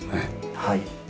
はい。